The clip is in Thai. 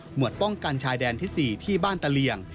วดป้องกันชายแดนที่๔ที่บ้านตะเหลี่ยง